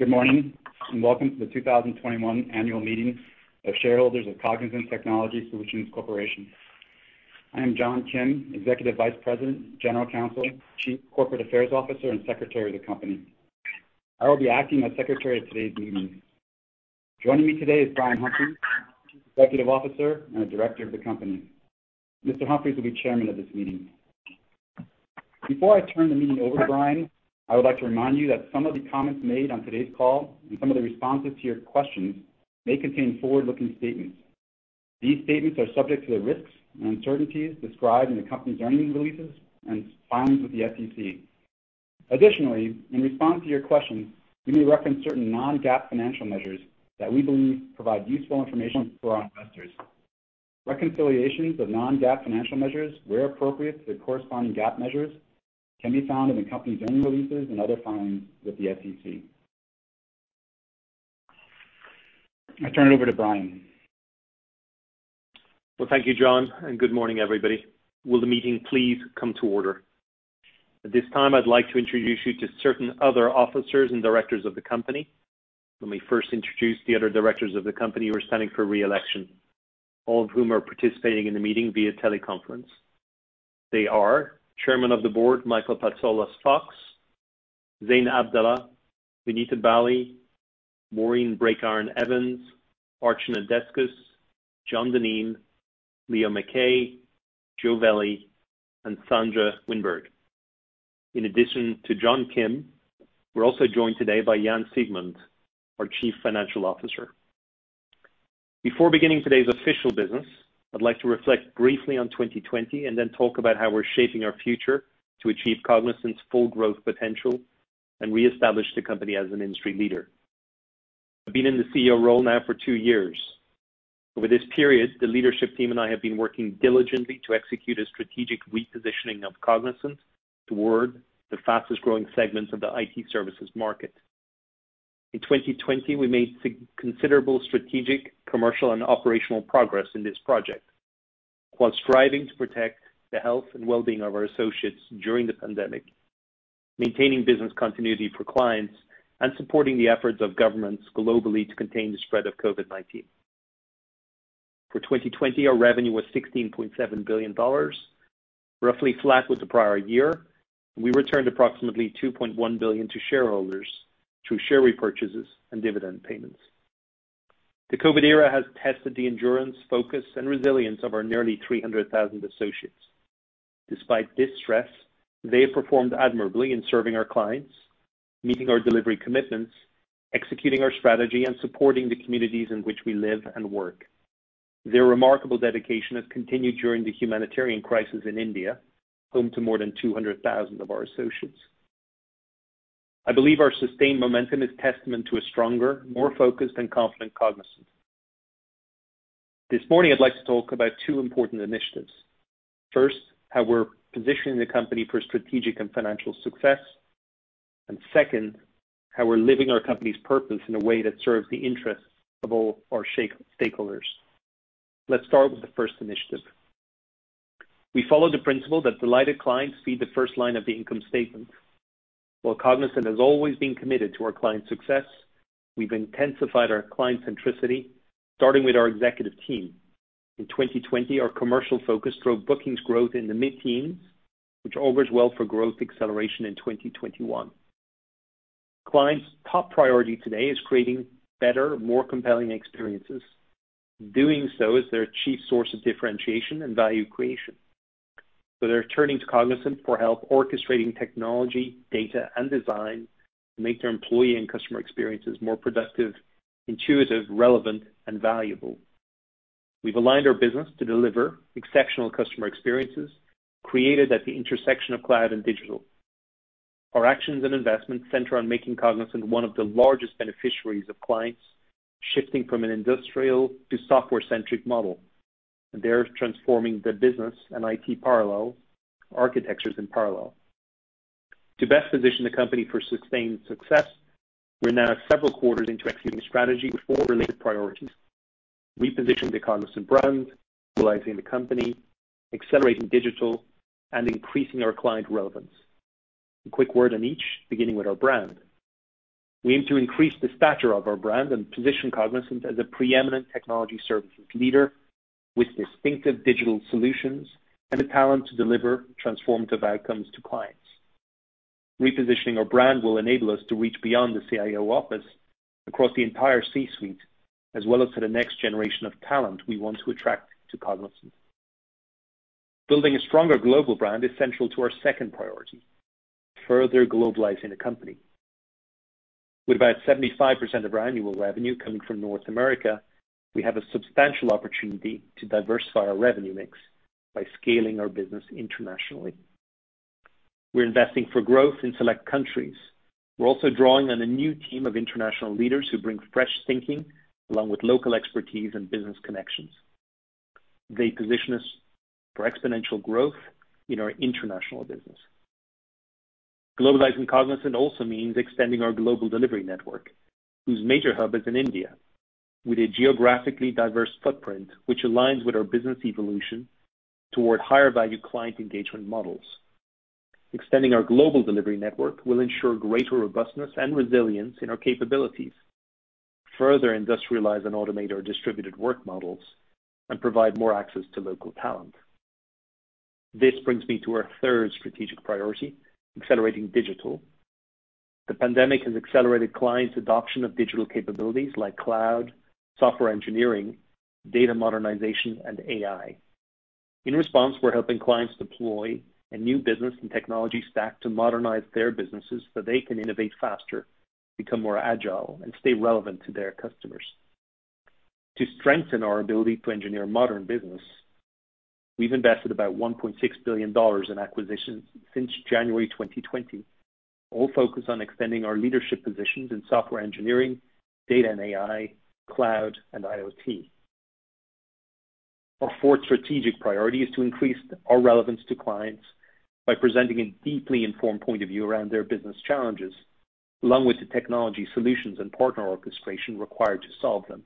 Good morning, and welcome to the 2021 Annual Meeting of Shareholders of Cognizant Technology Solutions Corporation. I'm John Kim, Executive Vice President, General Counsel, Chief Corporate Affairs Officer, and Secretary of the company. I will be acting as Secretary at today's meeting. Joining me today is Brian Humphries, Executive Officer and Director of the company. Mr. Humphries will be Chairman of this meeting. Before I turn the meeting over to Brian, I would like to remind you that some of the comments made on today's call and some of the responses to your questions may contain forward-looking statements. These statements are subject to the risks and uncertainties described in the company's earnings releases and its filings with the SEC. Additionally, in response to your questions, we may reference certain non-GAAP financial measures that we believe provide useful information for our investors. Reconciliations of non-GAAP financial measures, where appropriate to their corresponding GAAP measures, can be found in the company's earnings releases and other filings with the SEC. I turn it over to Brian. Well, thank you, John, and good morning, everybody. Will the meeting please come to order? At this time, I'd like to introduce you to certain other officers and Directors of the company. Let me first introduce the other Directors of the company who are standing for re-election, all of whom are participating in the meeting via teleconference. They are Chairman of the Board, Michael Patsalos-Fox, Zein Abdalla, Vinita Bali, Maureen Breakiron-Evans, Archana Deskus, John Dineen, Leo MacKay, Joe Velli, and Sandra Wijnberg. In addition to John Kim, we're also joined today by Jan Siegmund, our Chief Financial Officer. Before beginning today's official business, I'd like to reflect briefly on 2020 and then talk about how we're shaping our future to achieve Cognizant's full growth potential and reestablish the company as an industry leader. I've been in the CEO role now for two years. Over this period, the leadership team and I have been working diligently to execute a strategic repositioning of Cognizant toward the fastest-growing segments of the IT services market. In 2020, we made considerable strategic, commercial, and operational progress in this project while striving to protect the health and wellbeing of our associates during the pandemic, maintaining business continuity for clients, and supporting the efforts of governments globally to contain the spread of COVID-19. For 2020, our revenue was $16.7 billion, roughly flat with the prior year. We returned approximately $2.1 billion to shareholders through share repurchases and dividend payments. The COVID era has tested the endurance, focus, and resilience of our nearly 300,000 associates. Despite this stress, they have performed admirably in serving our clients, meeting our delivery commitments, executing our strategy, and supporting the communities in which we live and work. Their remarkable dedication has continued during the humanitarian crisis in India, home to more than 200,000 of our associates. I believe our sustained momentum is testament to a stronger, more focused, and confident Cognizant. This morning, I'd like to talk about two important initiatives. First, how we're positioning the company for strategic and financial success, and second, how we're living our company's purpose in a way that serves the interests of all our stakeholders. Let's start with the first initiative. We follow the principle that delighted clients feed the first line of the income statement. While Cognizant has always been committed to our clients' success, we've intensified our client centricity, starting with our executive team. In 2020, our commercial focus drove bookings growth in the mid-teens, which augurs well for growth acceleration in 2021. Clients' top priority today is creating better, more compelling experiences. Doing so is their chief source of differentiation and value creation. They're turning to Cognizant for help orchestrating technology, data, and design to make their employee and customer experiences more productive, intuitive, relevant, and valuable. We've aligned our business to deliver exceptional customer experiences created at the intersection of cloud and digital. Our actions and investments center on making Cognizant one of the largest beneficiaries of clients shifting from an industrial to software-centric model, and theirs transforming their business and IT architectures in parallel. To best position the company for sustained success, we are now several quarters into executing a strategy with four related priorities: repositioning the Cognizant brand, globalizing the company, accelerating digital, and increasing our client relevance. A quick word on each, beginning with our brand. We aim to increase the stature of our brand and position Cognizant as a preeminent technology services leader with distinctive digital solutions and the talent to deliver transformative outcomes to clients. Repositioning our brand will enable us to reach beyond the CIO office across the entire C-suite, as well as to the next generation of talent we want to attract to Cognizant. Building a stronger global brand is central to our second priority, further globalizing the company. With about 75% of our annual revenue coming from North America, we have a substantial opportunity to diversify our revenue mix by scaling our business internationally. We're investing for growth in select countries. We're also drawing on a new team of international leaders who bring fresh thinking along with local expertise and business connections. They position us for exponential growth in our international business. Globalizing Cognizant also means extending our global delivery network, whose major hub is in India, with a geographically diverse footprint, which aligns with our business evolution toward higher-value client engagement models. Extending our global delivery network will ensure greater robustness and resilience in our capabilities, further industrialize and automate our distributed work models, and provide more access to local talent. This brings me to our third strategic priority, accelerating digital. The pandemic has accelerated clients' adoption of digital capabilities like cloud, software engineering, data modernization, and AI. In response, we're helping clients deploy a new business and technology stack to modernize their businesses so they can innovate faster, become more agile, and stay relevant to their customers. To strengthen our ability to engineer modern business, we've invested about $1.6 billion in acquisitions since January 2020, all focused on extending our leadership positions in software engineering, data and AI, cloud, and IoT. Our fourth strategic priority is to increase our relevance to clients by presenting a deeply informed point of view around their business challenges, along with the technology solutions and partner orchestration required to solve them.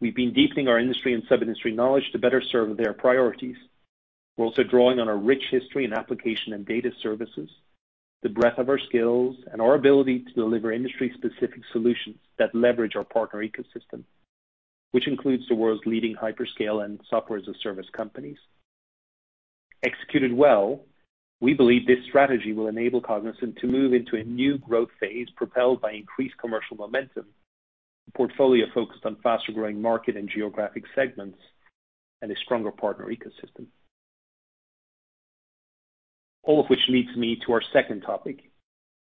We've been deepening our industry and sub-industry knowledge to better serve their priorities. We're also drawing on our rich history in application and data services, the breadth of our skills, and our ability to deliver industry-specific solutions that leverage our partner ecosystem, which includes the world's leading hyperscale and software as a service companies. Executed well, we believe this strategy will enable Cognizant to move into a new growth phase propelled by increased commercial momentum, a portfolio focused on faster-growing market and geographic segments, and a stronger partner ecosystem. All of which leads me to our second topic: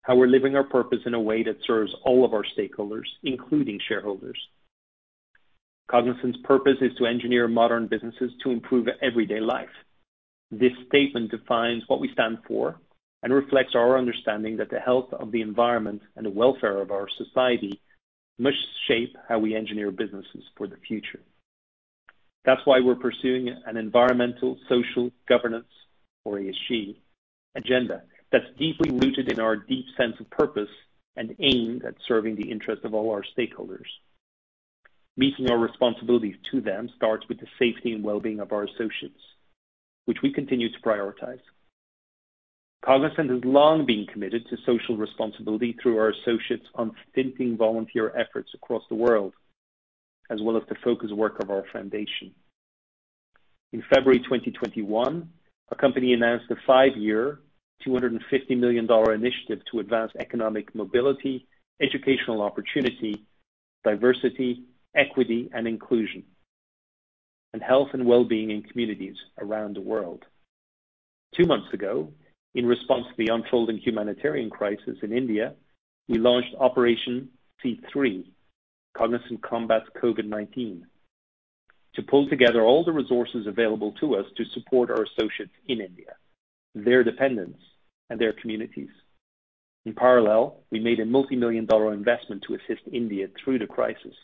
how we're living our purpose in a way that serves all of our stakeholders, including shareholders. Cognizant's purpose is to engineer modern businesses to improve everyday life. This statement defines what we stand for and reflects our understanding that the health of the environment and the welfare of our society must shape how we engineer businesses for the future. That's why we're pursuing an environmental, social, governance, or ESG agenda that's deeply rooted in our deep sense of purpose and aimed at serving the interests of all our stakeholders. Meeting our responsibilities to them starts with the safety and wellbeing of our associates, which we continue to prioritize. Cognizant has long been committed to social responsibility through our associates' unstinting volunteer efforts across the world, as well as the focused work of our foundation. In February 2021, our company announced a five-year, $250 million initiative to advance economic mobility, educational opportunity, diversity, equity and inclusion, and health and wellbeing in communities around the world. Two months ago, in response to the unfolding humanitarian crisis in India, we launched Operation C3, Cognizant Combats COVID-19, to pull together all the resources available to us to support our associates in India, their dependents, and their communities. In parallel, we made a multimillion-dollar investment to assist India through the crisis,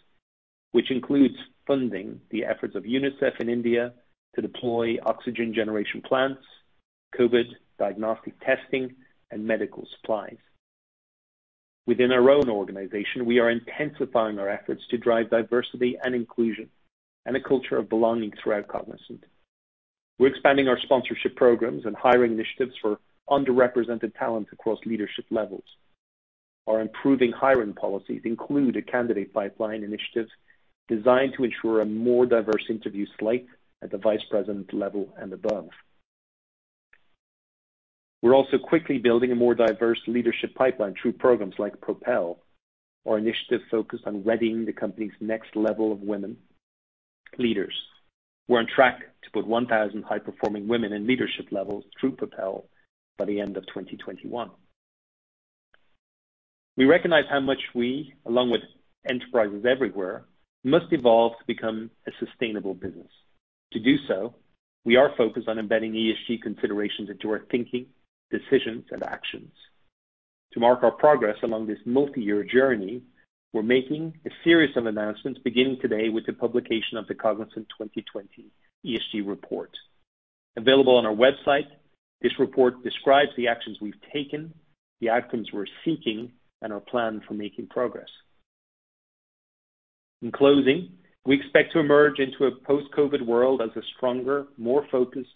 which includes funding the efforts of UNICEF in India to deploy oxygen generation plants, COVID diagnostic testing, and medical supplies. Within our own organization, we are intensifying our efforts to drive diversity and inclusion and a culture of belonging throughout Cognizant. We're expanding our sponsorship programs and hiring initiatives for underrepresented talent across leadership levels. Our improving hiring policies include a candidate pipeline initiative designed to ensure a more diverse interview slate at the vice president level and above. We're also quickly building a more diverse leadership pipeline through programs like Propel, our initiative focused on readying the company's next level of women leaders. We're on track to put 1,000 high-performing women in leadership levels through Propel by the end of 2021. We recognize how much we, along with enterprises everywhere, must evolve to become a sustainable business. To do so, we are focused on embedding ESG considerations into our thinking, decisions, and actions. To mark our progress along this multi-year journey, we're making a series of announcements beginning today with the publication of the Cognizant 2020 ESG Report. Available on our website, this report describes the actions we've taken, the outcomes we're seeking, and our plan for making progress. In closing, we expect to emerge into a post-COVID-19 world as a stronger, more focused,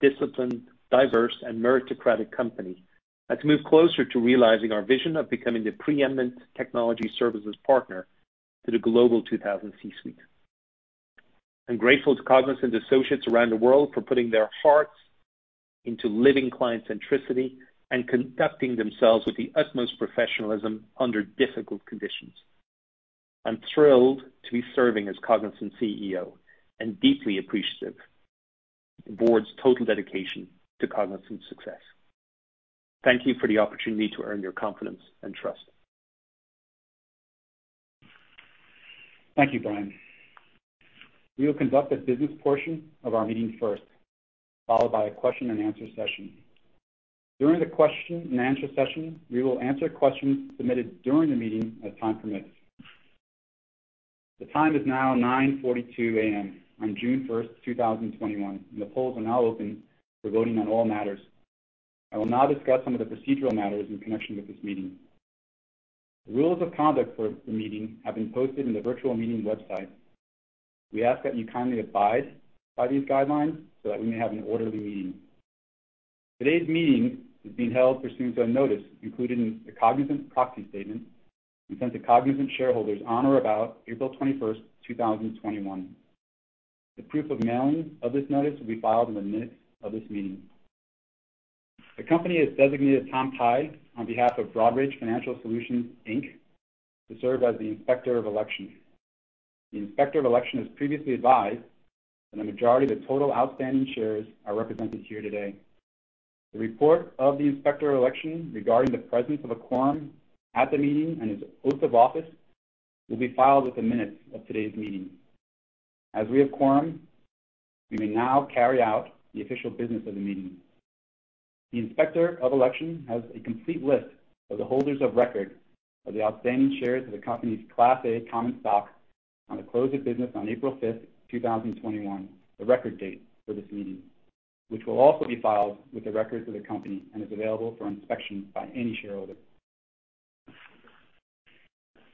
disciplined, diverse, and meritocratic company that's moved closer to realizing our vision of becoming the preeminent technology services partner to the Global 2000 C-Suite. I'm grateful to Cognizant associates around the world for putting their hearts into living client centricity and conducting themselves with the utmost professionalism under difficult conditions. I'm thrilled to be serving as Cognizant's CEO and deeply appreciative of the Board's total dedication to Cognizant's success. Thank you for the opportunity to earn your confidence and trust. Thank you, Brian. We will conduct the business portion of our meeting first, followed by a question-and-answer session. During the question-and-answer session, we will answer questions submitted during the meeting as time permits. The time is now 9:42 A.M. on June 1st, 2021. The polls are now open for voting on all matters. I will now discuss some of the procedural matters in connection with this meeting. The rules of conduct for the meeting have been posted on the virtual meeting website. We ask that you kindly abide by these guidelines so that we may have an orderly meeting. Today's meeting is being held pursuant to a notice, including the Cognizant Proxy Statement, and sent to Cognizant shareholders on or about April 21st, 2021. The proof of mailing of this notice will be filed in the minutes of this meeting. The company has designated Tom Tide on behalf of Broadridge Financial Solutions, Inc to serve as the Inspector of Elections. The Inspector of Elections previously advised that a majority of the total outstanding shares are represented here today. The report of the Inspector of Elections regarding the presence of a quorum at the meeting and his oath of office will be filed with the minutes of today's meeting. As we have quorum, we may now carry out the official business of the meeting. The Inspector of Elections has a complete list of the holders of record of the outstanding shares of the company's Class A common stock on the close of business on April 5th, 2021, the record date for this meeting, which will also be filed with the records of the company and is available for inspection by any shareholder.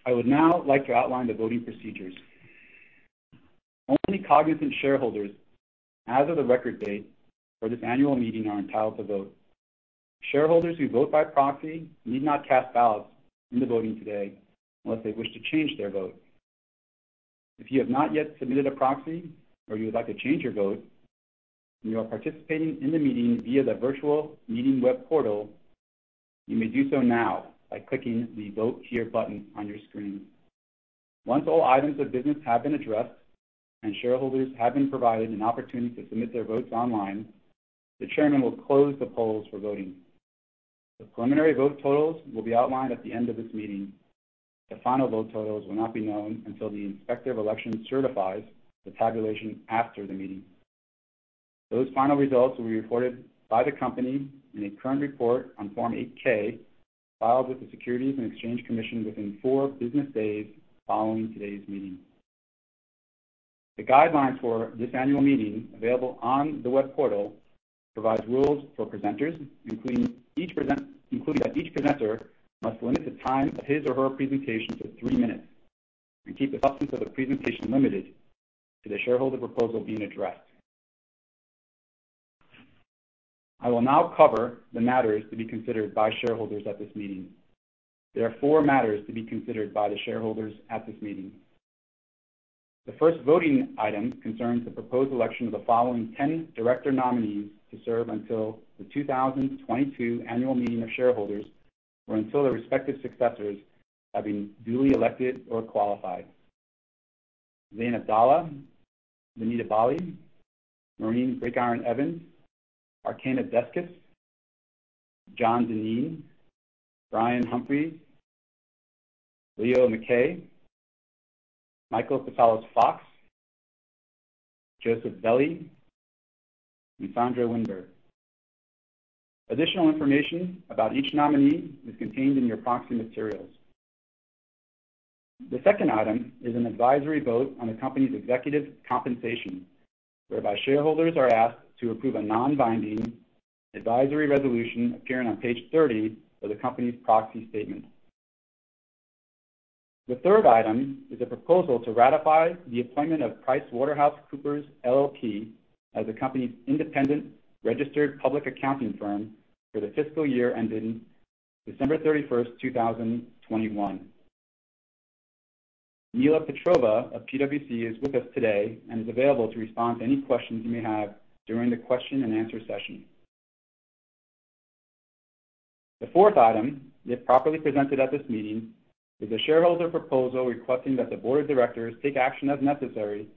I would now like to outline the voting procedures. Only Cognizant shareholders as of the record date for this Annual Meeting are entitled to vote. Shareholders who vote by proxy need not cast ballots in the voting today unless they wish to change their vote. If you have not yet submitted a proxy or you would like to change your vote and you are participating in the meeting via the virtual meeting web portal, you may do so now by clicking the Vote Here button on your screen. Once all items of business have been addressed and shareholders have been provided an opportunity to submit their votes online, the Chairman will close the polls for voting. The preliminary vote totals will be outlined at the end of this meeting. The final vote totals will not be known until the Inspector of Elections certifies the tabulation after the meeting. Those final results will be reported by the company in a current report on Form 8-K filed with the Securities and Exchange Commission within four business days following today's meeting. The guidelines for this Annual Meeting, available on the web portal, provide rules for presenters including that each presenter must limit the time of his or her presentation to three minutes and keep the substance of the presentation limited to the shareholder proposal being addressed. I will now cover the matters to be considered by shareholders at this meeting. There are four matters to be considered by the shareholders at this meeting. The first voting item concerns the proposed election of the following 10 Director Nominees to serve until the 2022 Annual Meeting of Shareholders', or until their respective successors have been duly elected or qualified. Zein Abdalla, Vinita Bali, Maureen Breakiron-Evans, Archana Deskus, John Dineen, Brian Humphries, Leo MacKay, Michael Patsalos-Fox, Joseph Velli, and Sandra Wijnberg. Additional information about each nominee is contained in your proxy materials. The second item is an advisory vote on the company's executive compensation, whereby shareholders are asked to approve a non-binding advisory resolution appearing on page 30 of the company's proxy statement. The third item is a proposal to ratify the appointment of PricewaterhouseCoopers LLP as the company's independent registered public accounting firm for the fiscal year ending December 31st, 2021. Mila Petrova of PwC is with us today and is available to respond to any questions you may have during the question-and-answer session. The fourth item, if properly presented at this meeting, is a shareholder proposal requesting that the board of directors take action as necessary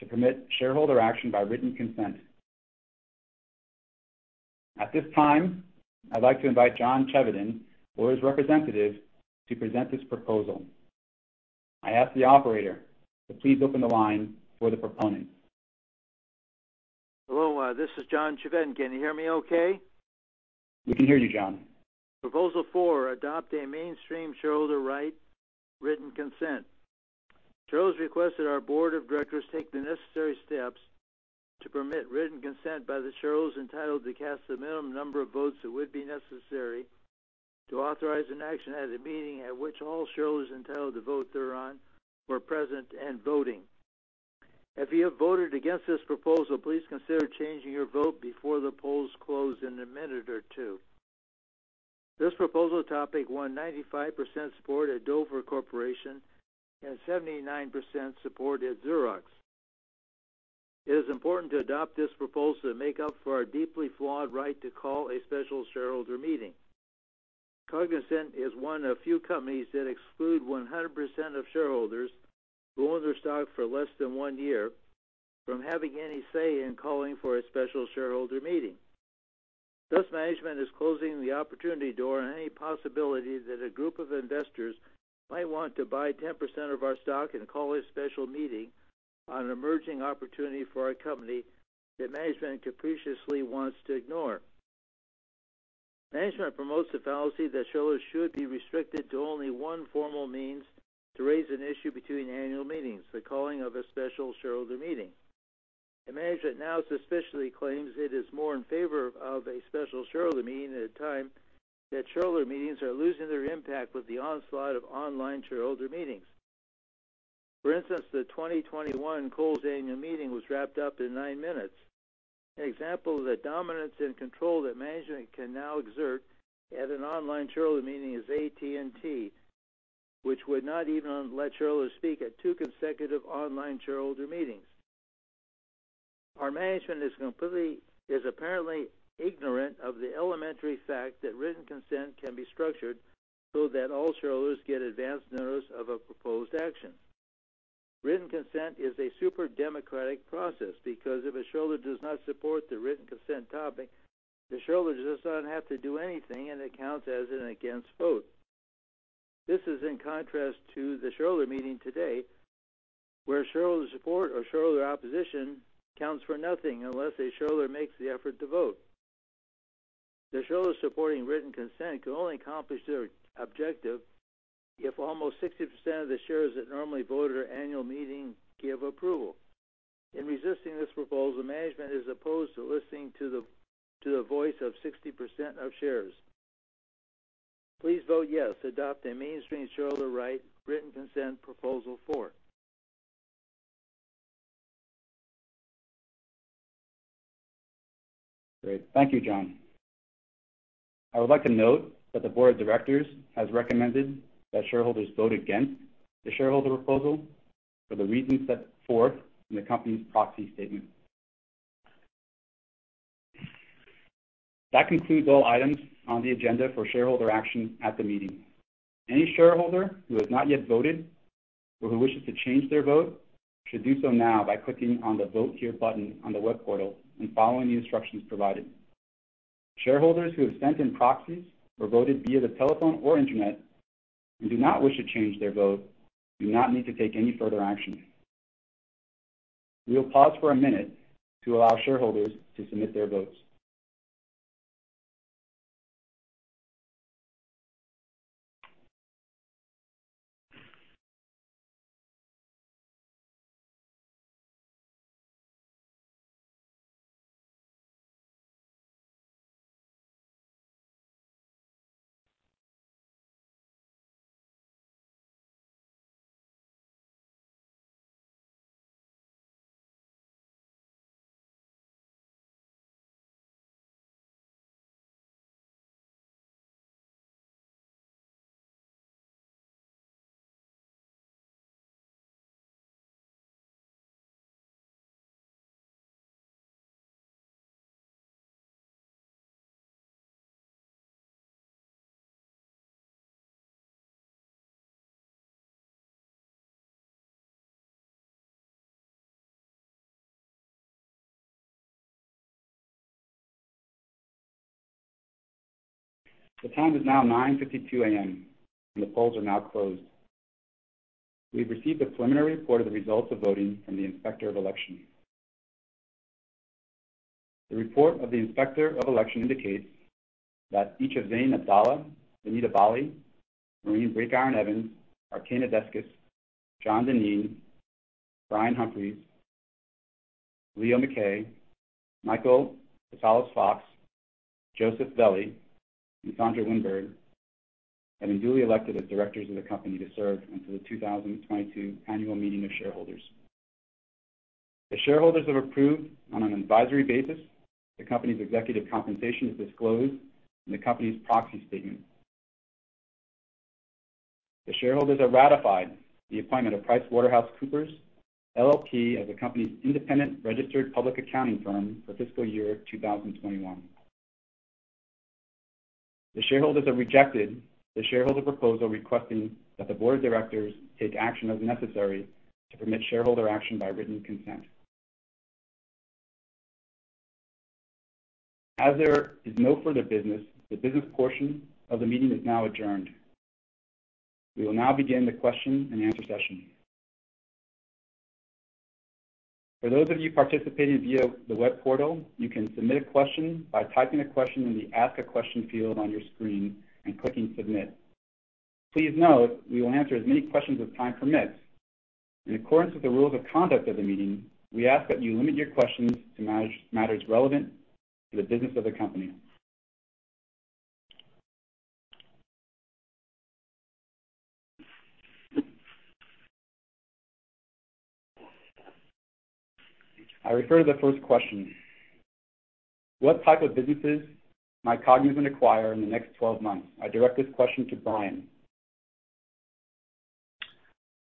to permit shareholder action by written consent. At this time, I'd like to invite John Chevedden or his representative to present this proposal. I ask the operator to please open the line for the proponent. Hello, this is John Chevedden. Can you hear me okay? We can hear you, John. Proposal 4, adopt a mainstream shareholder right written consent. Shareholders request that our Board of Directors take the necessary steps to permit written consent by the shareholders entitled to cast the minimum number of votes that would be necessary to authorize an action at a meeting at which all shareholders entitled to vote thereon were present and voting. If you have voted against this proposal, please consider changing your vote before the polls close in a minute or two. This proposal topic won 95% support at Dover Corporation and 79% support at Xerox. It is important to adopt this proposal to make up for our deeply flawed right to call a special shareholder meeting. Cognizant is one of few companies that exclude 100% of shareholders who own their stock for less than one year from having any say in calling for a special shareholder meeting. Thus, management is closing the opportunity door on any possibility that a group of investors might want to buy 10% of our stock and call a special meeting on an emerging opportunity for our company that management capriciously wants to ignore. Management promotes the fallacy that shareholders should be restricted to only one formal means to raise an issue between annual meetings, the calling of a special shareholder meeting. The management now officially claims it is more in favor of a special shareholder meeting at a time that shareholder meetings are losing their impact with the onslaught of online shareholder meetings. For instance, the 2021 Kohl's Annual Meeting was wrapped up in nine minutes. An example of the dominance and control that management can now exert at an online shareholder meeting is AT&T, which would not even let shareholders speak at two consecutive online shareholder meetings. Our management is apparently ignorant of the elementary fact that written consent can be structured so that all shareholders get advance notice of a proposed action. Written consent is a super democratic process because if a shareholder does not support the written consent topic, the shareholder does not have to do anything and it counts as an against vote. This is in contrast to the shareholder meeting today, where shareholder support or shareholder opposition counts for nothing unless a shareholder makes the effort to vote. The shareholders supporting written consent can only accomplish their objective if almost 60% of the shares that normally vote at our annual meeting give approval. In resisting this proposal, management is opposed to listening to the voice of 60% of shares. Please vote yes to adopt a mainstream shareholder right written consent Proposal 4. Great. Thank you, John. I would like to note that the Board of Directors has recommended that shareholders vote against the shareholder proposal for the reasons set forth in the company's proxy statement. That concludes all items on the agenda for shareholder action at the meeting. Any shareholder who has not yet voted or who wishes to change their vote should do so now by clicking on the Vote Here button on the web portal and following the instructions provided. Shareholders who have sent in proxies or voted via the telephone or internet and do not wish to change their vote do not need to take any further action. We will pause for one minute to allow shareholders to submit their votes. The time is now 9:52 A.M. and the polls are now closed. We have received a preliminary report of the results of voting from the Inspector of Elections. The report of the Inspector of Election indicates that each of Zein Abdalla, Vinita Bali, Maureen Breakiron-Evans, Archana Deskus, John Dineen, Brian Humphries, Leo MacKay, Michael Patsalos-Fox, Joseph Velli, and Sandra Wijnberg have been duly elected as directors of the company to serve until the 2022 Annual Meeting of Shareholders. The shareholders have approved on an advisory basis the company's executive compensation as disclosed in the company's proxy statement. The shareholders have ratified the appointment of PricewaterhouseCoopers LLP, as the company's independent registered public accounting firm for fiscal year 2021. The shareholders have rejected the shareholder proposal requesting that the Board of Directors take action as necessary to permit shareholder action by written consent. As there is no further business, the business portion of the meeting is now adjourned. We will now begin the question-and-answer session. For those of you participating via the web portal, you can submit a question by typing a question in the Ask a Question field on your screen and clicking Submit. Please note, we will answer as many questions as time permits. In accordance with the rules of conduct of the meeting, we ask that you limit your questions to matters relevant to the business of the company. I refer to the first question. What type of businesses might Cognizant acquire in the next 12 months? I direct this question to Brian.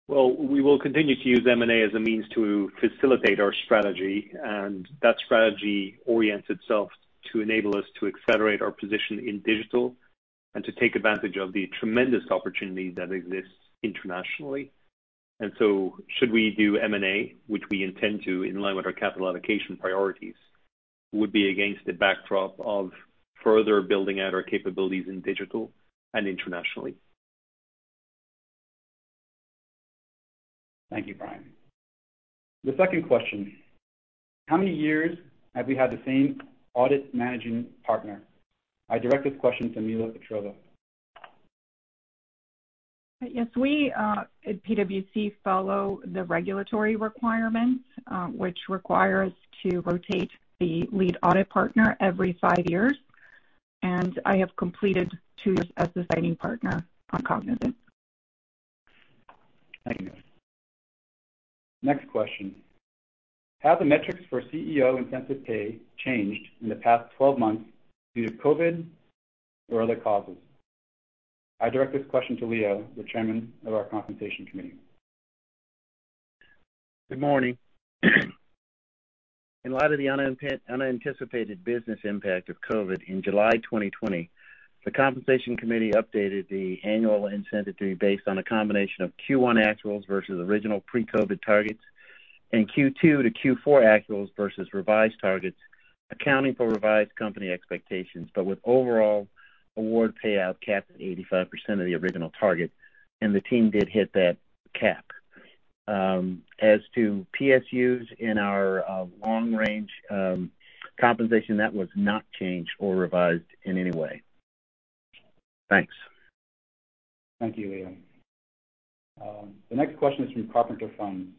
Well, we will continue to use M&A as a means to facilitate our strategy, and that strategy orients itself to enable us to accelerate our position in digital and to take advantage of the tremendous opportunity that exists internationally. Should we do M&A, which we intend to in line with our capital allocation priorities, would be against the backdrop of further building out our capabilities in digital and internationally. Thank you, Brian. The second question. How many years have we had the same audit managing partner? I direct this question to Mila Petrillo. Yes, we at PwC follow the regulatory requirements, which require us to rotate the lead audit partner every five years, and I have completed two as the signing partner on Cognizant. Thank you. Next question: Have the metrics for CEO incentive pay changed in the past 12 months due to COVID-19 or other causes? I direct this question to Leo, the Chairman of our Compensation Committee. Good morning. In light of the unanticipated business impact of COVID in July 2020, the compensation committee updated the annual incentive fee based on a combination of Q1 actuals versus original pre-COVID targets and Q2 to Q4 actuals versus revised targets, accounting for revised company expectations, but with overall award payout capped at 85% of the original target. The team did hit that cap. As to PSUs in our long-range compensation, that was not changed or revised in any way. Thanks. Thank you, Leo. The next question is from Carpenter Fund.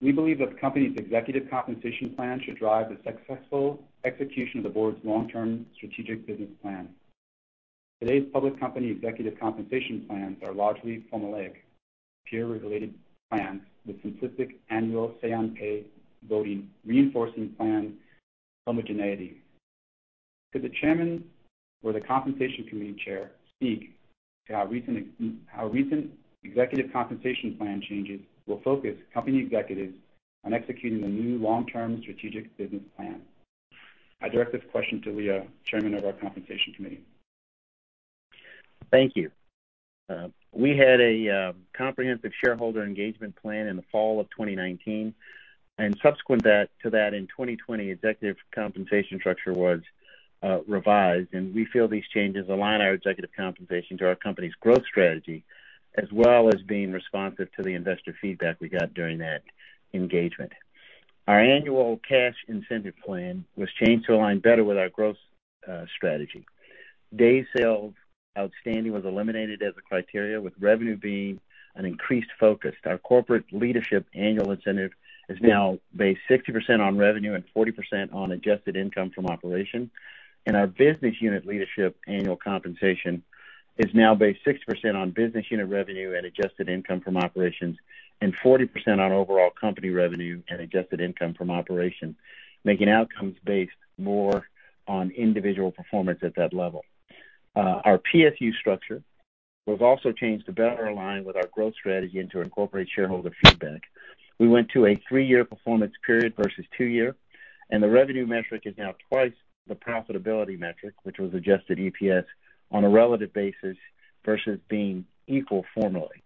We believe a company's executive compensation plan should drive the successful execution of the board's long-term strategic business plan. Today's public company executive compensation plans are largely formulaic, peer-related plans with simplistic annual say-on-pay voting reinforcement plan homogeneity. Could the Chairman or the Compensation Committee Chair speak to how recent executive compensation plan changes will focus company executives on executing the new long-term strategic business plan? I direct this question to Leo, Chairman of our Compensation Committee. Thank you. We had a comprehensive shareholder engagement plan in the fall of 2019. Subsequent to that in 2020, executive compensation structure was revised. We feel these changes align our executive compensation to our company's growth strategy, as well as being responsive to the investor feedback we got during that engagement. Our annual cash incentive plan was changed to align better with our growth strategy. Day sales outstanding was eliminated as a criteria, with revenue being an increased focus. Our corporate leadership annual incentive is now based 60% on revenue and 40% on adjusted income from operations. Our business unit leadership annual compensation is now based 60% on business unit revenue and adjusted income from operations and 40% on overall company revenue and adjusted income from operations, making outcomes based more on individual performance at that level. Our PSU structure was also changed to better align with our growth strategy and to incorporate shareholder feedback. We went to a three-year performance period versus two-year, and the revenue metric is now twice the profitability metric, which was adjusted EPS on a relative basis versus being equal formally.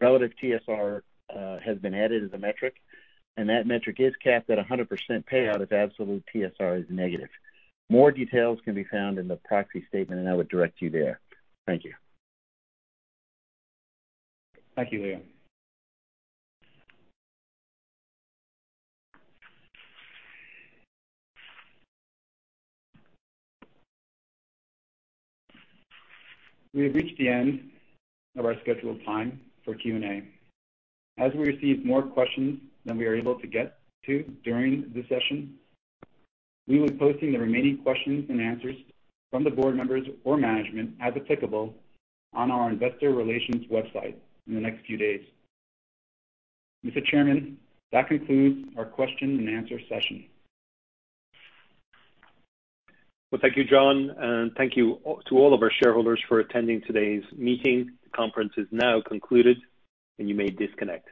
Relative TSR has been added as a metric, and that metric is capped at 100% payout if absolute TSR is negative. More details can be found in the proxy statement, and I would direct you there. Thank you. Thank you, Leo. We have reached the end of our scheduled time for Q&A. As we received more questions than we were able to get to during this session, we will be posting the remaining questions and answers from the board members or management, as applicable, on our investor relations website in the next few days. Mr. Chairman, that concludes our question-and-answer session. Well, thank you, John, and thank you to all of our shareholders for attending today's meeting. The conference is now concluded, and you may disconnect.